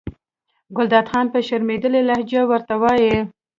ګلداد خان په شرمېدلې لهجه ورته وایي.